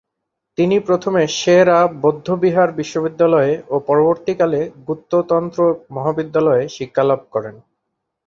তিনি প্রথমে সে-রা বৌদ্ধবিহার বিশ্ববিদ্যালয়ে ও পরবর্তীকালে গ্যুতো তন্ত্র মহাবিদ্যালয়ে শিক্ষালাভ করেন।